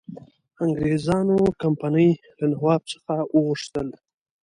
انګرېزانو کمپنی له نواب څخه وغوښتل.